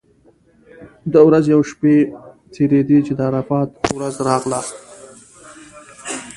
ورځې او شپې تېرېدې چې د عرفات ورځ راغله.